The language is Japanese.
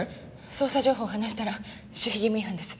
捜査情報を話したら守秘義務違反です。